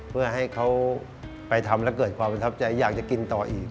เพื่อให้เขาไปทำแล้วเกิดความประทับใจอยากจะกินต่ออีก